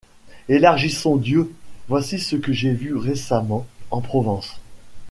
Élargissons Dieu ! Voici ce que j'ai vu récemment en Provence.